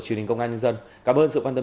truyền hình công an nhân dân cảm ơn sự quan tâm